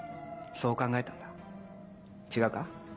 そう考えたんだ違うか？